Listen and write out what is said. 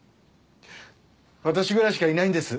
私ぐらいしかいないんです